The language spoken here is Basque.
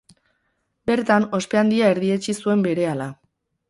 Bertan, ospe handia erdietsi zuen berehala.